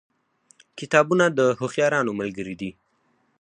کتابونه د هوښیارانو ملګري دي.